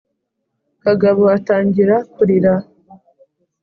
kagabo atangira kurira.